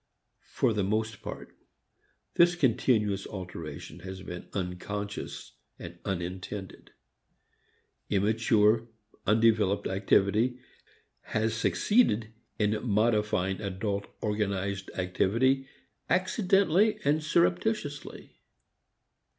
For the most part, this continuous alteration has been unconscious and unintended. Immature, undeveloped activity has succeeded in modifying adult organized activity accidentally and surreptitiously.